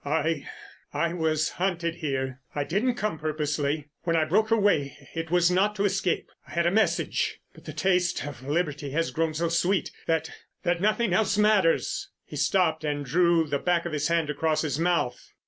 "I—I was hunted here. I didn't come purposely. When I broke away it was not to escape.... I had a message. But the taste of liberty has grown so sweet that—that nothing else matters!" He stopped, and drew the back of his hand across his mouth.